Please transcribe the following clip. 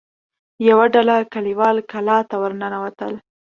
يوه ډله کليوال کلا ته ور ننوتل.